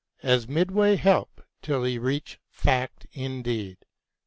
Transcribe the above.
As midway help till he reach fact indeed.